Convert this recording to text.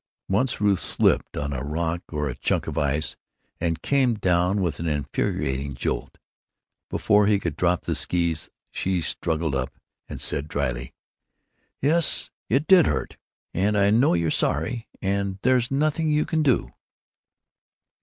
Once Ruth slipped, on a rock or a chunk of ice, and came down with an infuriating jolt. Before he could drop the skees she struggled up and said, dryly: "Yes, it did hurt, and I know you're sorry, and there's nothing you can do."